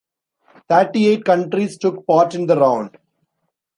Thirty-eight countries took part in the round.